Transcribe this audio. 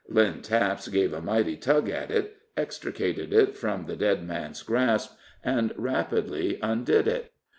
Lynn Taps gave a mighty tug at it, extricated it from the dead man's grasp, and rapidly undid it.